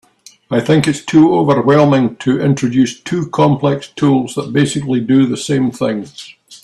I think it’s too overwhelming to introduce two complex tools that basically do the same things.